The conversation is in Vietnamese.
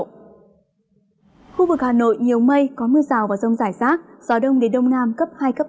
khu vực hà nội nhiều mây có mưa rào và rông rải rác gió đông đến đông nam cấp hai cấp bốn